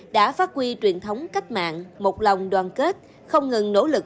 đã phát huy truyền thống cách mạng một lòng đoàn kết không ngừng nỗ lực